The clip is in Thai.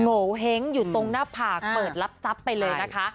โงเห้งอยู่ตรงหน้าผากเปิดรับทรัพย์ไปเลยนะคะ